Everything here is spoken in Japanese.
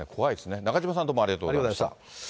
中島さん、どうもありがとうございました。